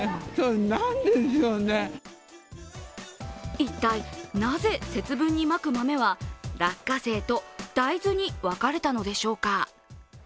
一体、なぜ節分にまく豆は落花生と大豆に分かれたのでしょうか。